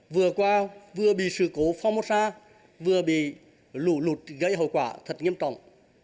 vừa qua vừa bị sự cố phong sa vừa bị lũ lụt gây hậu quả thật nghiêm trọng